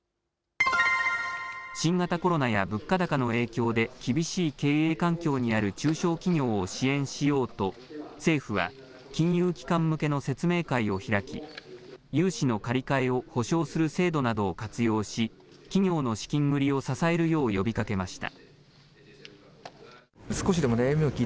新型コロナや物価高の影響で、厳しい経営環境にある中小企業を支援しようと、政府は、金融機関向けの説明会を開き、融資の借り換えを保証する制度などを活用し、企業の資金繰りを支えるよう呼びかけました。